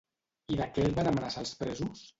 I de què el van amenaçar els presos?